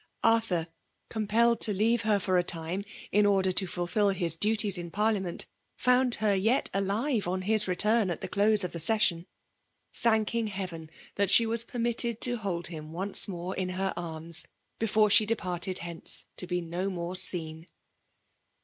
Arthur, compelled to leave her for a. time, in order to fulfil his duties in Parliament, found her yet alive on his return at the close of the session ; thanking Heaven that she was permitted to hold him once more in her arms before she departed hence to be no more seen.